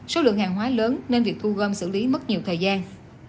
số lượng hàng hóa lớn nên việc thu gom xử lý mất nhiều thời gian